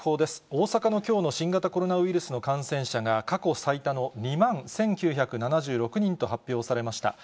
大阪のきょうの新型コロナウイルスの感染者が、過去最多の２万１９７６人と発表されました。